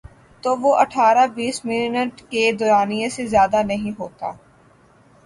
تو وہ اٹھارہ بیس منٹ کے دورانیے سے زیادہ نہیں ہوتا۔